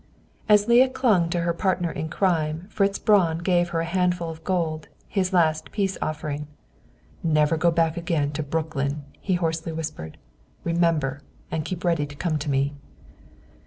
As Leah clung to her partner in crime, Fritz Braun gave her a handful of gold his last peace offering. "Never go back again to Brooklyn," he hoarsely whispered. "Remember, and keep ready to come to me."